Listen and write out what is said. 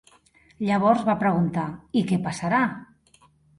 Llavors va preguntar: "I què passarà?"